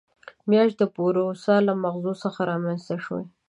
میاشت د پوروسا له مغزو څخه رامنځته شوې.